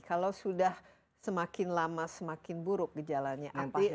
kalau sudah semakin lama semakin buruk gejalanya apa